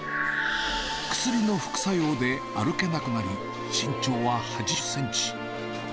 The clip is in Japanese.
薬の副作用で歩けなくなり、身長は８０センチ。